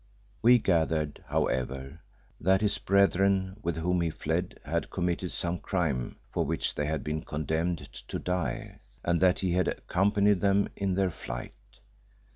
We gathered, however, that his brethren with whom he fled had committed some crime for which they had been condemned to die, and that he had accompanied them in their flight.